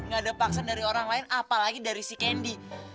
gak ada paksaan dari orang lain apalagi dari si kendi